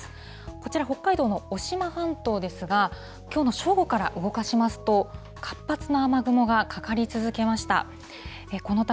こちら、北海道の渡島半島ですが、きょうの正午から動かしますと、活発な雨雲がかかり続けました。